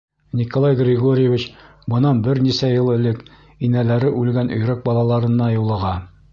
Николай Григорьевич бынан бер нисә йыл элек инәләре үлгән өйрәк балаларына юлыға.